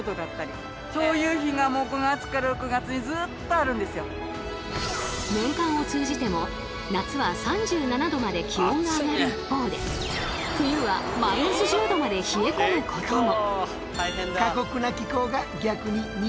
そういう日が年間を通じても夏は３７℃まで気温が上がる一方で冬はマイナス１０℃まで冷え込むことも。